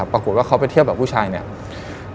ปรากฏว่าเขาไปเที่ยวกับผู้ชายเนี่ย